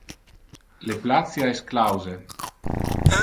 Le placia es clause.